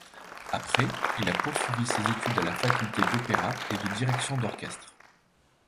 Après, il a poursuivi ses études à la Faculté d'Opéra et de Direction d'orchestre.